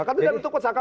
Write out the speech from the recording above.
kan tidak ditukar saka